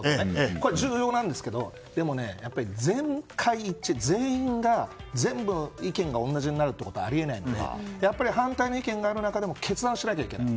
これは重要なんですけどやっぱり全会一致全員の全部の意見が同じになるということはあり得ないのでやっぱり反対の意見がある中でも決断をしないといけない。